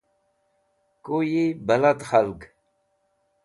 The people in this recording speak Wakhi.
Koyi bẽlad k̃halg?